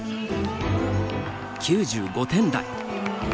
９５点台。